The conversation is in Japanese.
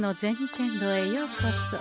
天堂へようこそ。